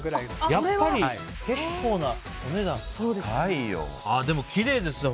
やっぱり、結構なお値段するね。